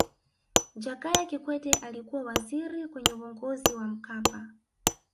jakaya kikwete alikuwa waziri kwenye uongozi wa mkapa